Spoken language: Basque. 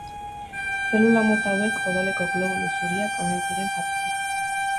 Zelula mota hauek odoleko globulu zuriak omen ziren jatorriz.